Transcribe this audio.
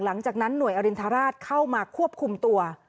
หลังจากนั้นหน่วยอรินทราชเข้ามาควบคุมตัว